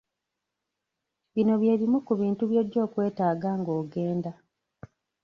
Bino bye bimu ku bintu by'ojja okwetaaga ng'ogenda